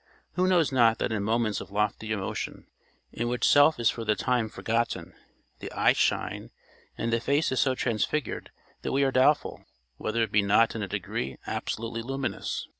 Who knows not that in moments of lofty emotion, in which self is for the time forgotten, the eyes shine, and the face is so transfigured that we are doubtful whether it be not in a degree absolutely luminous!